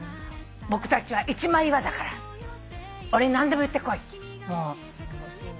「僕たちは一枚岩だから俺に何でも言ってこい」頼もしいね。